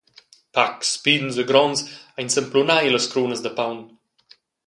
Pacs pigns e gronds ein s’emplunai ellas crunas da paun.